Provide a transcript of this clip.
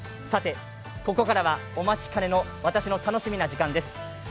ここからはお待ちかねの私の楽しみな時間です。